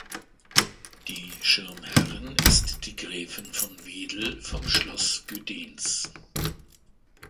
Die Schirmherrin ist die Gräfin von Wedel vom Schloss Gödens.